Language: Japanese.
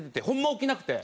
起きなくて。